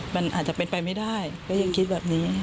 มันอาจจะเป็นไปไม่ได้ก็ยังคิดแบบนี้